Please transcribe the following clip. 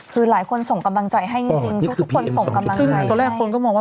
คือหลายคนส่งกำลังใจให้จริงทุกคนส่งกำลังใจ